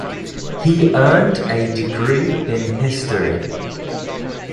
He earned a degree in History.